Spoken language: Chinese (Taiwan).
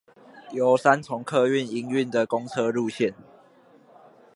由三重客運營運的公車路線